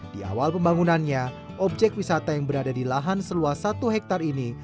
di awal pembangunannya objek wisata yang berada di lahan seluas satu hektare ini